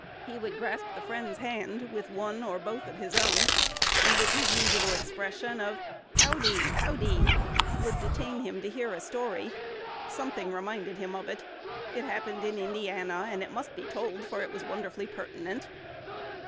he would grasp the friend's hand with one or both of his own, and, with his usual expression of "Howdy, howdy," would detain him to hear a story: something reminded him of it; it happened in Indiana, and it must be told, for it was wonderfully pertinent.